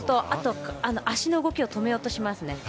あと、足の動きを止めようとします。